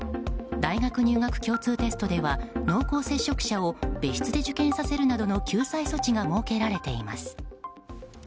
大学入学共通テストでは濃厚接触者を別室で受験させるなどの救済措置が設けられています。